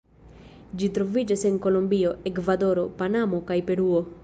Ĝi troviĝas en Kolombio, Ekvadoro, Panamo, kaj Peruo.